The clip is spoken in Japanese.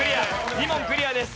２問クリアです。